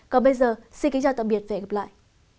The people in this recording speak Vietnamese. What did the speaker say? còn bây giờ xin kính chào tạm biệt và hẹn gặp lại